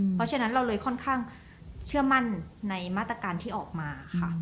เพราะฉะนั้นเราเลยค่อนข้างเชื่อมั่นในมาตรการที่ออกมาค่ะ